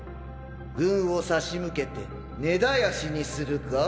軍を差し向けて根絶やしにするか？